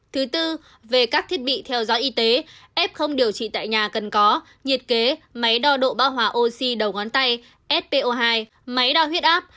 thứ tư về các thiết bị theo dõi y tế f không điều trị tại nhà cần có nhiệt kế máy đo độ ba hòa oxy đầu ngón tay spo hai máy đo huyết áp